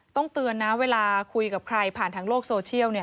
เตือนนะเวลาคุยกับใครผ่านทางโลกโซเชียลเนี่ย